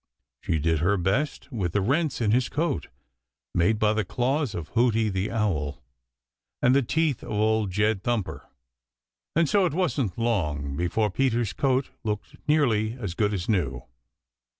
She did her best with the rents in his coat, made by the claws of Hooty the Owl and the teeth of Old Jed Thumper, and so it wasn't long before Peter's coat looked nearly as good as new.